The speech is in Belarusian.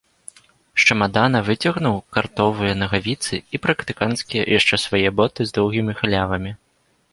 З чамадана выцягнуў картовыя нагавіцы і практыканцкія яшчэ свае боты з доўгімі халявамі.